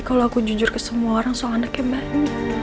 kalau aku jujur ke semua orang soalnya kemahin